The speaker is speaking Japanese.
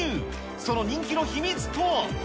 その人気の秘密とは。